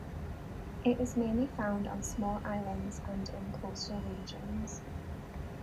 It is mainly found on small islands and in coastal regions.